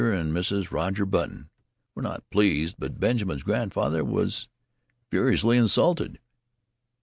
and Mrs. Roger Button were not pleased, and Benjamin's grandfather was furiously insulted.